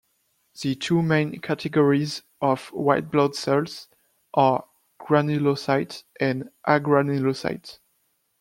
The two main categories of white blood cells are granulocytes and agranulocytes.